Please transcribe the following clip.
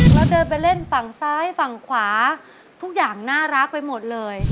เราเดินไปเล่นฝั่งซ้ายฝั่งขวาทุกอย่างน่ารักไปหมดเลย